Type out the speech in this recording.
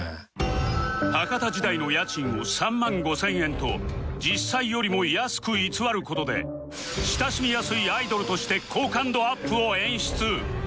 博多時代の家賃を３万５０００円と実際よりも安く偽る事で親しみやすいアイドルとして好感度アップを演出